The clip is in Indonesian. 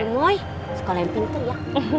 nih moi sekolah yang pintu ya